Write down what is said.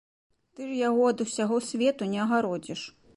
Ты ж яго ад усяго свету не агародзіш!